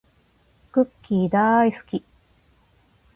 クッキーだーいすき